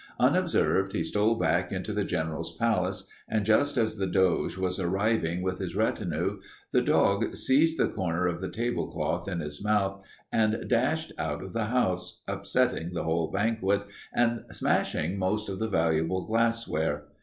Unobserved, he stole back into the General's palace, and just as the Doge was arriving with his retinue, the dog seized the corner of the tablecloth in his mouth and dashed out of the house, upsetting the entire banquet and smashing most of the valuable glassware.